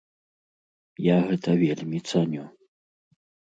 Я гэта вельмі цаню.